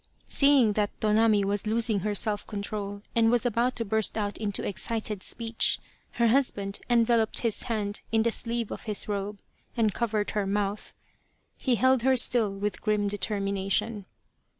Seeing that Tonami was losing her self control and was about to burst out into excited speech, her hus band enveloped his hand in the sleeve of his robe and covered her mouth. He held her still with grim determination.